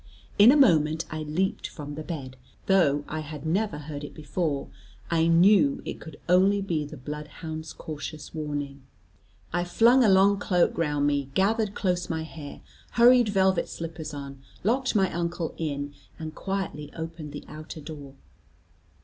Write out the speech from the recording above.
In a moment I leaped from the bed; though I had never heard it before, I knew it could only be the bloodhound's cautious warning. I flung a long cloak round me, gathered close my hair, hurried velvet slippers on, locked my uncle in, and quietly opened the outer door.